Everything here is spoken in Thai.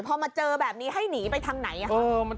พอมาเจอแบบนี้ให้หนีไปทางไหน